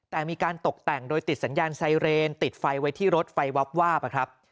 แต่มีการตกแต่งโดยติดสัญญาณไซเรนติดไฟไว้ที่รถไฟวับวาบนะครับ